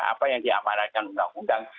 apa yang diamanatkan undang undang